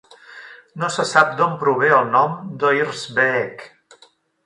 No se sap d'on prové el nom d'Oirsbeek.